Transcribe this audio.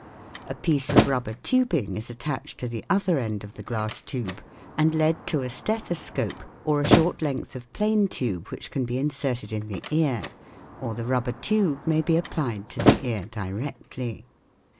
A piece of rubber tubing is attached to the other end of the glass tube, and led to a stethoscope or a short length of plain tube which can be inserted in the ear ; or the rubber tube may be applied to the ear directly.